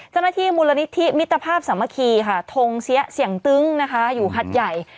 เจ้าหน้าที่มูลนิธิมิตรภาพสามัคคีค่ะทงเสียเสียงตึ้งนะคะอยู่หัดใหญ่